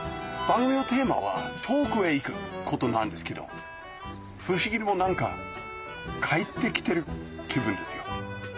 番組のテーマは遠くへ行くことなんですけど不思議にも何か帰ってきてる気分ですよ。